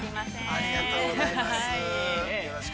◆ありがとうございます。